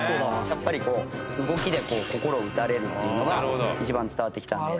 やっぱりこう動きで心を打たれるっていうのが一番伝わってきたんで。